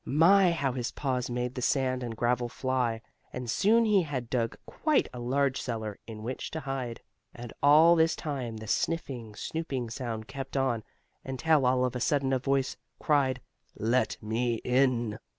My, how his paws made the sand and gravel fly, and soon he had dug quite a large cellar, in which to hide. And all this time the sniffing, snooping sound kept on, until, all of a sudden a voice cried: "Let me in!"